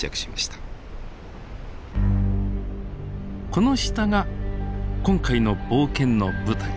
この下が今回の冒険の舞台